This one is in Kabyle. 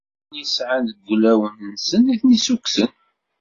Nniya-nni i sɛan deg wulawen-nsen i ten-issukksen.